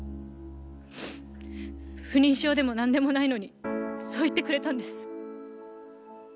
不妊症でもなんでもないのにそう言ってくれたんです。